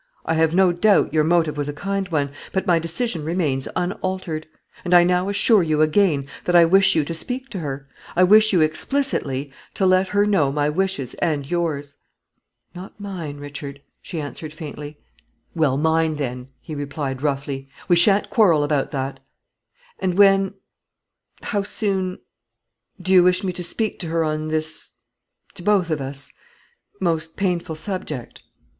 I have no doubt your motive was a kind one, but my decision remains unaltered; and I now assure you again that I wish you to speak to her; I wish you explicitly to let her know my wishes and yours." "Not mine, Richard," she answered faintly. "Well, mine, then," he replied, roughly; "we shan't quarrel about that." "And when how soon do you wish me to speak to her on this, to both of us, most painful subject?"